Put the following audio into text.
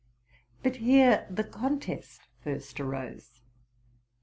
But here the contest first arose.